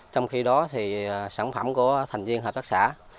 trong khi đó thì sản phẩm của thành viên hợp tác xã